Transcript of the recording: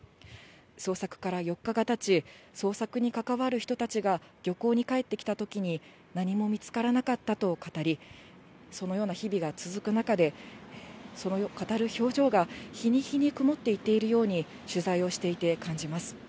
捜索から４日がたち、捜索に関わる人たちが漁港に帰ってきたときに、何も見つからなかったと語り、そのような日々が続く中で、その語る表情が日に日に曇っていっているように、取材をしていて感じます。